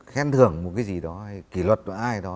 khen thưởng một cái gì đó hay kỷ luật và ai đó